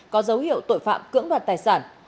có dấu hiệu tội phạm cưỡng đoạt tài sản